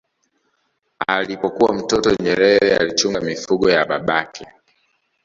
Alipokuwa mtoto Nyerere alichunga mifugo ya babake